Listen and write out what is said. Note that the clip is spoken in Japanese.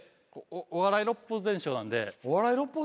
お笑い六法全書なんで。